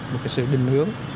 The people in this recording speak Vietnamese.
một sự định hướng